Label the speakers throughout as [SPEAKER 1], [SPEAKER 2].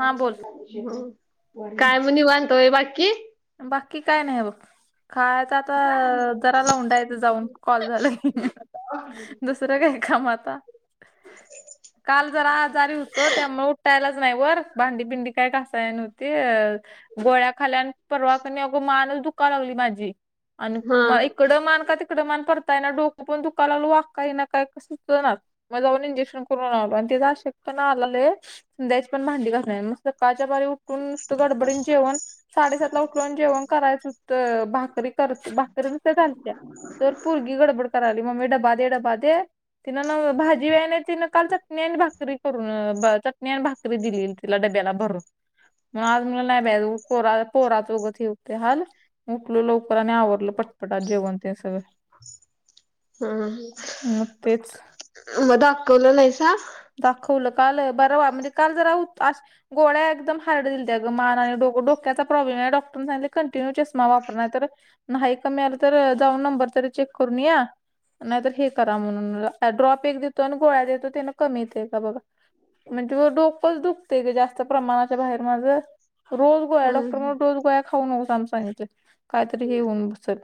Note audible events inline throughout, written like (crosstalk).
[SPEAKER 1] हा बोल
[SPEAKER 2] काय म निवांत होय, बाकी?
[SPEAKER 1] बाकी, काय नाही बघ. खायच आता, जरा लवडायचं जाऊन, कॉल झालं की. दुसरं काय काम आता. काल जरा आजारी हुतो त्यामुळं उठायलाच नाही वर, भांडी बिंडी काय घसाय नव्हती. अ गोळ्याखाल्या परवा क ने अगं मानच दुका लागली माझी आणि
[SPEAKER 2] हा
[SPEAKER 1] म ईकडं मान का, तिकडं मान करता ये ना. डोकं पण दुका लागल, वाकता यी ना काय सुचणाच. मग जाऊन इंजेक्शन करून आलो आणि ते चा अशक्तपना आला लय. संध्याकाळची पण भांडी घासायला मग, सकाळच्या बारी उठून नुसती गडबडीन जेवण साडेसात उठला उठला अन् जेवण करायचं होतं. भाकरी कर करून त झालत्या, तर पोरगी गडबड करायली मम्मे डबा दे, डबा दे. तिनं न भाजी व्या नाही तिनं काल, चटणी आणि भाकरी करून चटणी आणि भाकरी दिलेली तिला डब्याला भरून. आज म्हणलं नाय बाय उग पोरा च उग केलते हाल. उठले लवकर आणि आवरलं पटपट आज जेवण ते न सगळं.
[SPEAKER 2] हम्म,
[SPEAKER 1] मग तेच
[SPEAKER 2] मग दाकवल न य सा?
[SPEAKER 1] दाखवलं. काल बरंवा म्हणजे काल जरा आज गोळ्या एकदम हार्ड दिलंत्या गं मानाने डोक्याचा प्रॉब्लेम आहे डॉक्टर सांगले कंटिन्यू चष्मा वापर नाही तर. नाही कमी आलं तर जाऊन नंबर तरी चेक करून या. नाहीतर हे करा म्हणून ड्रॉप एक देतो आणि गोळ्या देतो त्यांना. कमी येत का बाबा म्हणजे डोकंच दुखतेय ग जास्त प्रमाणाच्या बाहेर माझ. रोज गोळ्या डॉक्टर म्हणत रोज गोळ्या खाऊ नको सन सनी चे कायतरी हे होऊन बसल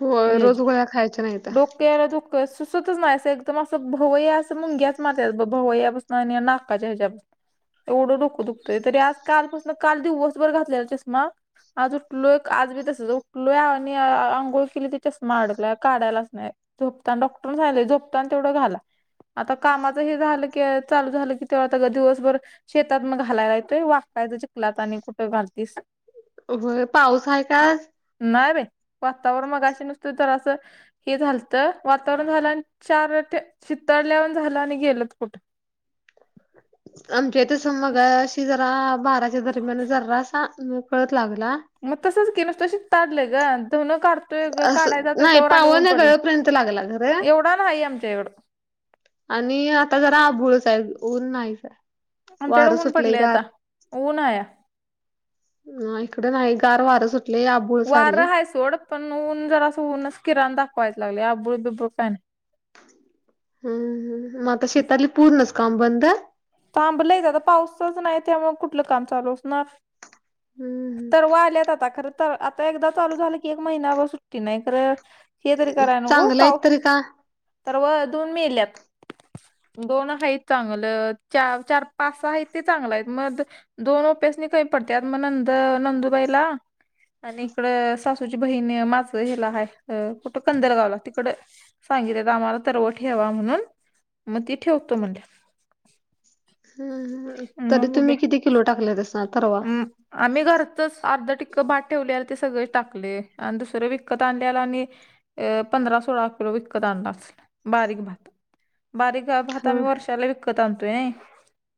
[SPEAKER 2] होय रोज गोळ्या खायच्या नाही तर
[SPEAKER 1] तेड दुःख सुचतच नाही अस एकदम असं भवई अस मुंग्या - माथ्यात बघ भोवया पासण आणि नाकाच्या ह्याच्यात. एवढं डोक दुखतोय तरी आज कालपासून काल दिवसभर घातलेला चषमा आज उठलोय आज बी तसच उठलो ये आणि अ आंघोळ केली ते चष्मा अडकला काढायलाच नाय. झोपताना डॉक्टर झाले झोपतान तेवढं घाला. आता कामाचं हे झालं की चालू झालं की तेव्हा त्याचं दिवसभर शेतात मग घालायला येतोय वाकता येतेय चिखलात आणि कुठं घालतीस.
[SPEAKER 2] व्हय पाऊस आहे का आज.
[SPEAKER 1] नाही बाई वातावरण मगाशी नुसतं जरास - हे झालत वातावरण झालं आणि चार चितथडल्यावान झालं आणि गेलत कुठं.
[SPEAKER 2] आमच्या इथे स मगाशी जरा बाराच्या दरम्यान जरासा नकळत लागला.
[SPEAKER 1] मग तसंच केलं तशी काढलंय ग दोन काढतोय ग काढाय
[SPEAKER 2] असं
[SPEAKER 1] जातोय
[SPEAKER 2] नाही
[SPEAKER 1] तवर आणि
[SPEAKER 2] पावन
[SPEAKER 1] ऊन पडलं
[SPEAKER 2] गळपर्यंत लागला खरं
[SPEAKER 1] एवढं- काम आहे आमच्या इकडं
[SPEAKER 2] आणि आता जरा आभोळच आहे ऊन नाहीच.
[SPEAKER 1] आमच्याकडे
[SPEAKER 2] वारं
[SPEAKER 1] ऊन
[SPEAKER 2] सुटलंय
[SPEAKER 1] पडले आता
[SPEAKER 2] गार.
[SPEAKER 1] ऊन आहे.
[SPEAKER 2] ह इकडे नाही गार वारं सुटले अब
[SPEAKER 1] वारं आहे सोड पण ऊन जरा असं ऊनच किरण दाखवायच लागले आबुळ बिबुळ काय नाही.
[SPEAKER 2] ह मग आता शेतातले पूर्णच काम बंद.
[SPEAKER 1] थांबलंयच आता पाऊसच नाही त्यामुळे कुठलं काम चालू असणार.
[SPEAKER 2] हम्म
[SPEAKER 1] तर वाळल्यात आता खरच. तर आता एकदा चालू झालं की एक महिनावर सुट्टी नाही तर. हे तरी कराय नगो
[SPEAKER 2] चांगला आहेत तरी
[SPEAKER 1] पाऊस
[SPEAKER 2] का
[SPEAKER 1] तर व दोन मेल्यात दोन आहेत चांगलं. च चार पाच सहा आहेत की चांगल मध दोन उप्यास नि कमी पडत्यात मग नंद नंदुबाईला आणि इकड सासूची बहीण माझं हिला आहे कुठं कंदरगावला तिकड. सांगितलं तर आम्हाला तरव ठेवा म्हणून मग ती ठेवतो म्हणले.
[SPEAKER 2] ह तरी
[SPEAKER 1] मग बघूया
[SPEAKER 2] तुम्ही किती किलो टाकले तसा परवा
[SPEAKER 1] म, आम्ही घरातच अर्ध टिक्क भात ठेवले अन् ते सगळे टाकले आणि दुसरं विकत आणलेला आणि अ पंधरा सोळा किलो विकत आणला अस बारीक भात बारीक भात
[SPEAKER 2] ह
[SPEAKER 1] आम्ही वर्षाला विक - विकत आणतोय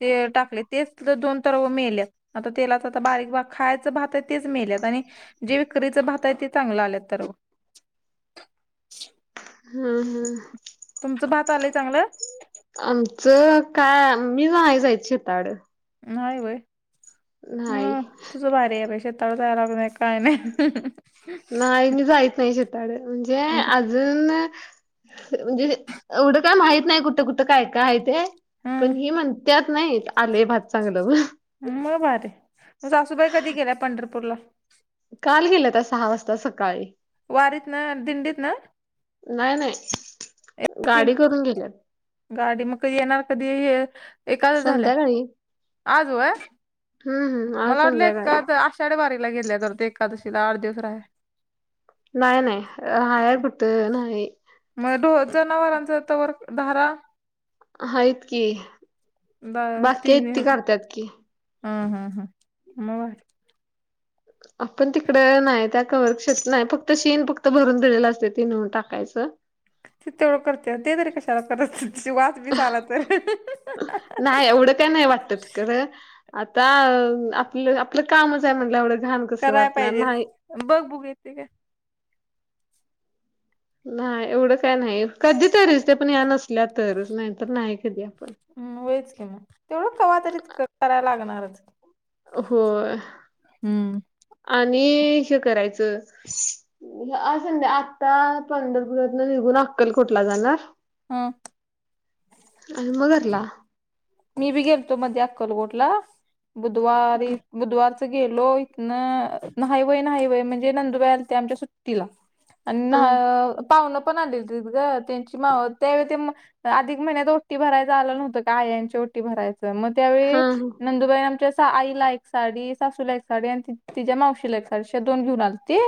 [SPEAKER 1] ते टाकले तेच दोन तर व मेल्यात आता तेलाच आता बारीक भात खायचं भात ये तेच मेल्यात आणि- जे विक्रीचं भात आहे ते चांगलं आलेत तर
[SPEAKER 2] हू हू
[SPEAKER 1] तुमचं भात आलंय चांगलं
[SPEAKER 2] आमचं काय मी नाही जायच शेताड
[SPEAKER 1] नाय वय
[SPEAKER 2] नाही
[SPEAKER 1] मग तुझं किती भारी आहे (unintelligible) काय नाय.
[SPEAKER 2] नाही, मी जाइत नाही शेताकडे. म्हणजे अजून, म्हणजे एवढं काय माहित नाय कुठ कुठं, काय काय आहे ते.
[SPEAKER 1] हम्म
[SPEAKER 2] पण हे म्हणत्यात नाहीत आले भात चांगलं.
[SPEAKER 1] मग भारी! मग सासूबाई कधी गेल्या पंढरपूरला?
[SPEAKER 2] काल गेल्या त्या सहा वाजता सकाळी.
[SPEAKER 1] वारीतन अन दिंडीत ना?
[SPEAKER 2] नाही नाही, गाडी करून गेल्यात.
[SPEAKER 1] गाडी, मग ते येणार कधी ये एखाद्या झाल्या,
[SPEAKER 2] संध्याकाळी
[SPEAKER 1] आज व्हय?
[SPEAKER 2] हम्म हम् आज
[SPEAKER 1] मला वाटलं
[SPEAKER 2] संध्याकाळी
[SPEAKER 1] एकाद अस साडेवारीला गेल्या तर ते एकादशीला आठ दिवस राय
[SPEAKER 2] नाही नाही, राहाया कुठं नाही.
[SPEAKER 1] मग धू जनावरांच त वर धारा?
[SPEAKER 2] हायेत कि, बाकी आहेत ती करतात की.
[SPEAKER 1] हम हम हम, म (unintelligible)
[SPEAKER 2] आपण तिकडं नाही, त्या कवरक्षेत नाही. फक्त शीन, फक्त भरून दिलेल असत ति नेऊन फक्त टाकायचं
[SPEAKER 1] ति तेवढं करत्या, ते तरी कशाला कराच तिथ वास बीस आला तर.
[SPEAKER 2] तेवढं काय नाही वाटतं. खरं आता आपलं आपलं कामच आहे म्हणलं एवढं घान
[SPEAKER 1] कराय पाहिजे, बघ बघू येते का?
[SPEAKER 2] न्हाय, एवढं काय न्हाई येत. कधी तरीच ते पण या नसल्या तरच. नाही तर नाही कधीपण.
[SPEAKER 1] हम व्हयचं कि मग, तेवढं कवा तरी त करायला लागणारच.
[SPEAKER 2] होय.
[SPEAKER 1] हम्म
[SPEAKER 2] आणि हे करायचं हे अस संध्य आता पंढरपुरातन निघून अक्कल कोटला जाणार.
[SPEAKER 1] हम.
[SPEAKER 2] आणि मग घरला.
[SPEAKER 1] मी बी गेलतो मध्ये अक्कलकोटला. बुधवारी बुधवार गेलो इथनं नाही व्हय, नाही व्हय म्हणजे नंदुबाई आलत्या आमच्या सुट्टीला. आणि
[SPEAKER 2] हा
[SPEAKER 1] न्हा पाहुनं पण आले होतेत ग, त्यांची मावस त्यावेळी ते अधिक महिन्यात ओटी भराय झालं नव्हतं ग आयांची- ओटी भरायच, मग त्यावेळी
[SPEAKER 2] हा
[SPEAKER 1] नंदुबाई आमच्या सा आईला एक साडी, सासूला एक साडी, आणि तिच्या् मावशीला एक साडी आशा दोन घेऊन आलती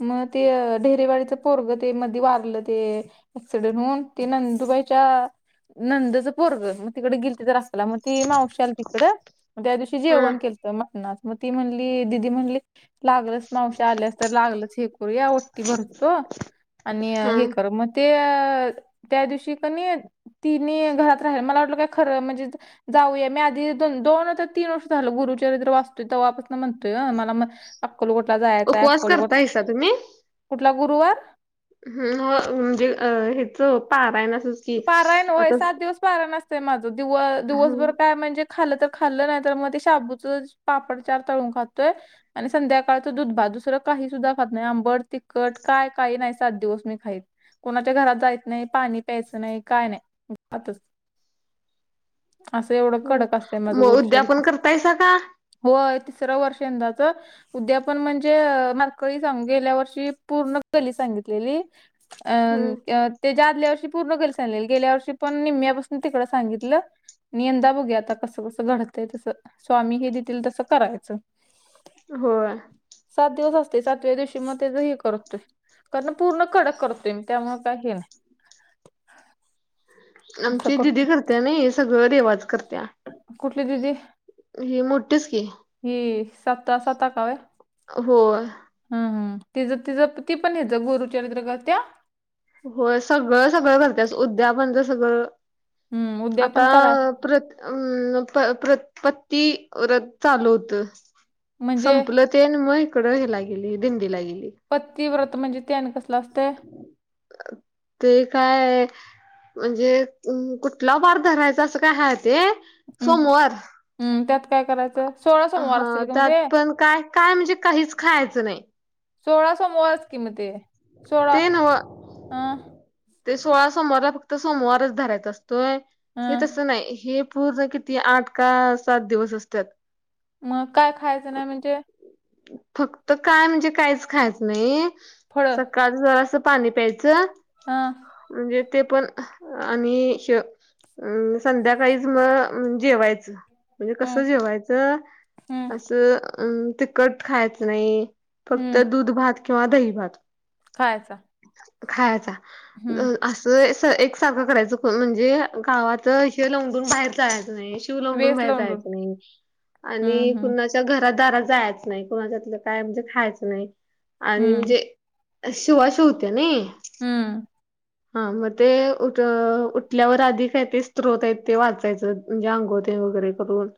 [SPEAKER 1] मग ते ढेरेवाडीच पोरग ते मध्ये वारलं ते एक्सिडेंट होउन, ते नंदूबाईच्या नंदच पोरग, मग तिकडे गेल् असला मग ती मावशी आलती तिकडं, मग त्या दिवशी
[SPEAKER 2] हा
[SPEAKER 1] जेवण केलत मटणाच. मग ती म्हणली दिदी म्हणली लागलच मावशी आल्यास तर लागलच हे करूया ओट्टी भरतो आणि
[SPEAKER 2] हा
[SPEAKER 1] हे करु म्हण ते त्या दिवशी कनी तिनी घरात राहिल मला वाटलं काय खरं म्हणजे जाऊया, मी आधी दोन नाहीतर तीन वर्ष झालं गुरुचरित्र वाचतोय तवा म्हणून म्हणतोय ह मला म्हण अक्कलकोटला जायाचय,
[SPEAKER 2] उपवास
[SPEAKER 1] अकलकोट
[SPEAKER 2] करतायसा
[SPEAKER 1] कुठला गुरुवार?
[SPEAKER 2] हुं ह म्हणजे अ हेच पारायणाचं
[SPEAKER 1] पारायण होय, सात दिवस पारायण आसतय माझं. दिव दिवसभर
[SPEAKER 2] हं,
[SPEAKER 1] काय म्हणजे खाल्लं तर खाल्लं, नाही तर मग ते शाबूचच पापड चार तळून खातोय आणि संध्याकाळचं दुध भात, दुसरं काही सुद्धा खात नाही. आंबड, तिखट काय काही नाही सात दिवस मी खाईत. कोणाच्या घरात जायच नाही पाणी, प्यायचं नाही काय नाही आतच असं एवढं
[SPEAKER 2] हं.
[SPEAKER 1] कडक असतंय माझं
[SPEAKER 2] मग उद्या पण
[SPEAKER 1] गुरुचरित्र.
[SPEAKER 2] करतायसा का?
[SPEAKER 1] होय तिसरं वर्ष यंदाचं. उद्यापण म्हणजे मारकळी सांग गेल्या वर्षी पूर्ण गल्ली सांगितलेली. अ
[SPEAKER 2] हम्म
[SPEAKER 1] अ तेजा आदल्या वर्षी पूर्ण गल्ली सांगितलेली गेल्या वर्षी पण निम्यापासन तिकडं सांगितलं. आणि यंदा बघूया आता कस-कस घडतय तस स्वामी हे देतील तस करायचं.
[SPEAKER 2] होय.
[SPEAKER 1] सात दिवस आसते सातव्या दिवशी मग तेज हे करतो कारण पूर्ण कडक करतोय मी त्यामुळे काय हे नाही. असं
[SPEAKER 2] आमची दीदी
[SPEAKER 1] करतोय
[SPEAKER 2] करत्या नाही सगळं देवाच करत्या.
[SPEAKER 1] कुठली दीदी?
[SPEAKER 2] ही मोठीच की.
[SPEAKER 1] ही सत्ता-सत्ता अका होय.
[SPEAKER 2] होय.
[SPEAKER 1] हम् हम तिज तिज ती पण हचं गुरुचरित्र करत्या?
[SPEAKER 2] होय सगळं-सगळं करत्या उद्या पण ते सगळं,
[SPEAKER 1] हम्म उद्या
[SPEAKER 2] आता
[SPEAKER 1] पण कराय
[SPEAKER 2] प्र अ प प्र पती व्रत चालू होत.
[SPEAKER 1] म्हणजे
[SPEAKER 2] संपल तेन मग हीकडं हे ला गेली दिंडीला गेली.
[SPEAKER 1] पती व्रत म्हणजे ते आणि कसलं असत?
[SPEAKER 2] (inaudible) ते काय म्हणजे कुठला वार धरायचा असं काय हाय ते.
[SPEAKER 1] हम्
[SPEAKER 2] सोमवार
[SPEAKER 1] हम्म त्यात काय करायचं? सोळां सोमवार
[SPEAKER 2] हा
[SPEAKER 1] असतील ग म
[SPEAKER 2] त्यात
[SPEAKER 1] ते
[SPEAKER 2] पण काय काय म्हणजे काहीच खायचं नाही.
[SPEAKER 1] सोळा समोरच कि म ते, सोळा
[SPEAKER 2] ते नव्ह
[SPEAKER 1] अं.
[SPEAKER 2] ते सोळा सोमवारला फक्त सोमवारच धरायच असतोय हे
[SPEAKER 1] अं
[SPEAKER 2] तसं नाही, हे पूर्ण किती आठ का सात दिवस असत्यात.
[SPEAKER 1] मग काय खायचं नाही म्हणजे?
[SPEAKER 2] फक्त काय म्हणजे काहीच खायचं नाही
[SPEAKER 1] फळ
[SPEAKER 2] सकाळी जरासं पाणी प्यायचं.
[SPEAKER 1] हं
[SPEAKER 2] म्हणजे ते पण आणि श अम संध्याकाळीच म जेवायचं. म्हणजे
[SPEAKER 1] हं
[SPEAKER 2] कसं जेवायचं
[SPEAKER 1] हं
[SPEAKER 2] असं अं तिखट खायचं नाही. फक्त
[SPEAKER 1] हं
[SPEAKER 2] दूध भात किंवा दही भात.
[SPEAKER 1] खायचा.
[SPEAKER 2] खायचा, अ
[SPEAKER 1] हं
[SPEAKER 2] असं, अस एक साारखं करायचं म्हणजे गावाच हे लंडून बाहेर जायचं नाही. शिव लंडूनय
[SPEAKER 1] वेस
[SPEAKER 2] बाहेर
[SPEAKER 1] लावून
[SPEAKER 2] जायच नाही
[SPEAKER 1] हं
[SPEAKER 2] आणि
[SPEAKER 1] हं
[SPEAKER 2] कुणाच्या घर दारा जायच. नाही कोणाच्यात काय म्हणजे खायचं नाही आणि
[SPEAKER 1] हं
[SPEAKER 2] म्हणजे शिवा शिवते नाही
[SPEAKER 1] हम्म.
[SPEAKER 2] हा मग ते उठ-उठल्यावर आधी काही ते स्त्रोत आहेत ते वाचायचं. म्हणजे अंगोळ येन वगैरे करून,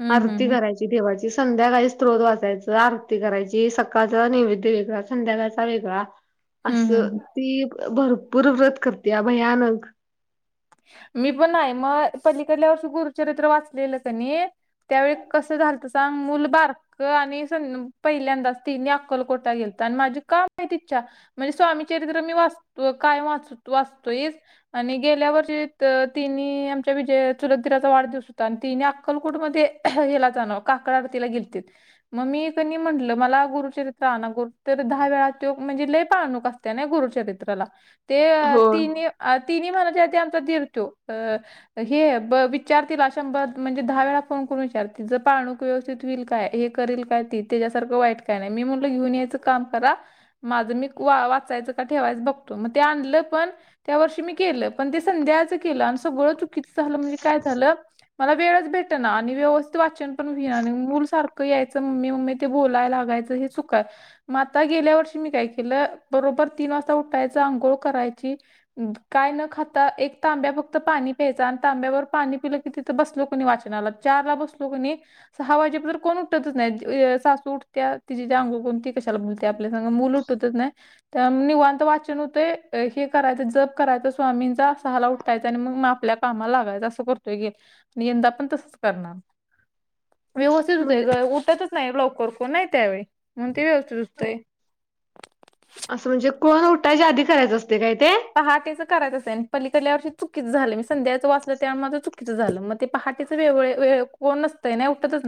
[SPEAKER 1] हं हं
[SPEAKER 2] आरती
[SPEAKER 1] हं
[SPEAKER 2] करायची देवाची संध्याकाळी स्त्रोत वाचायचं आरती करायची सकाळच नैवेद्य वेगळच. संध्याकाळचा वेगळा
[SPEAKER 1] हं हं
[SPEAKER 2] असं ती भरपूर व्रत करते भयानक.
[SPEAKER 1] मी पण नाही मग पलीकडल्या वर्ष गुरुचरित्र वाचलेलं कणी. त्यावेळी कसं झालत सांग मुलं बार क आणि स पहिल्यांदाच तिन्ही अक्कलकोटा गेलत आणि माझी काय माहित इच्छा म्हणजे स्वामी चरित्र मी वाचतो कायम वा वाचतोय आणि गेल्या वर्षी (unintelligible) तिन आमच्या विजय चुलत दिराचा वाढदिवस आणि तिने अक्कलकोट मध्ये हेला जाणं काकड आरतीला गेलतं. मग मी तनी म्हटलं मला गुरुचरित्र आणा गुरु तर दहा वेळा तो म्हणजे लय पाळणूक असती. त्या नाही गुरुचरित्रला ते
[SPEAKER 2] हो
[SPEAKER 1] तिन तिन्ही म्हणायचे ते आमचा दीर तो अ हे ब विचारतील अशा शंभर म्हणजे दहा वेळा फोन करून विचारतील जर पाळणूक व्यवस्थित होईल काय हे करील काय ती त्याच्यासारखं वाईट काय नाय मी म्हणल घेऊन यायचं काम करा. माझं मी वा वाचायचं का ठेवायचं बघतो मग ते आणलं पण त्या वर्षी मी केलं पण ते संध्याचं केलं आणि सगळं चुकीचं झालं म्हणजे काय झालं मला वेळच भेट त्यांना आणि व्यवस्थित वाचन पण हुईना आणि मूल सारखं क यायचं मम्मी मम्मी ते बोला लागायचं हे चुका म आता गेल्या वर्षी मी काय केलं बरोबर तीन वाजता उठायचं आंघोळ करायची काय न खात? तर एक तांब्या फक्त पाणी प्यायचा आणि तांब्यावर पाणी पिलं की तिथं बसलो की नाय वाचनाला चार ला बसलो की नाय सहा वाजेपर्यंत कोण उठतच नाही सासू उठत्या तिजी ती अंगोळ करुन ती कशाला बोलत्या आपल्या सगं मुल उठतच नाय. त्या निवांत वाचन होतेंय हे करायचं जप करायचं स्वामींचा सहाला उठायच आणि मग म आपल्या कामाला लागायचं असं करतोय गेल आणि यंदा पण तसंच करणार.
[SPEAKER 2] (unintelligible)
[SPEAKER 1] व्यवस्थित होतय
[SPEAKER 2] म्हणजे
[SPEAKER 1] ग उठतच नाही लवकर कोण नाही त्यावेळी म्हणून ते व्यवस्थित होतय.
[SPEAKER 2] असं म्हणजे कोण उठायच्या आधी करायचं असतय काय ते.
[SPEAKER 1] पहाटेचं करायचं आणि पलीकडल्या वर्ष चुकीचं झालं मी संध्याचं वाचलं त्या माझं चुकीच झालं मग ते. पहाटेचं वेगळे वे कोण नसतय नाय उठतच नाय.